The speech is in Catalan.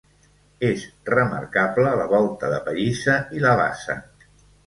És remarcable la volta de pallissa i la bassa.